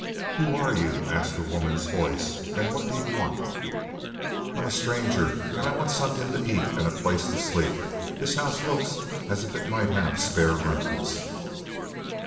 "Who are you?" asked a woman's voice. "And what do you want?" "I'm a stranger, and I want something to eat and a place to sleep. This house looks as if it might have spare rooms."